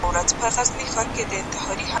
د کوچني مابينځ کي مي خپلي غونډې جوړي کړې.